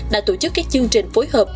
đã tổ chức các chương trình phối hợp